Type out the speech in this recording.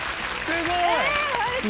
すごい！